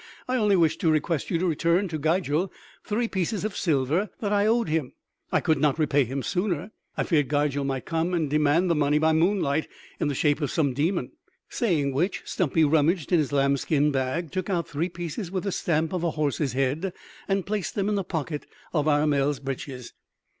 "I only wish to request you to return to Gigel three pieces of silver that I owed him; I could not repay him sooner. I feared Gigel might come and demand his money by moonlight in the shape of some demon." Saying which Stumpy rummaged in his lamb skin bag, took out three pieces with the stamp of a horse's head, and placed them in the pocket of Armel's breeches.